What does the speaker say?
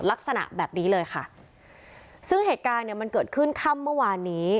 ลักษณะแบบนี้เลยค่ะซึ่งเหตุการณ์เนี่ยมันเกิดขึ้นค่ำเมื่อวานนี้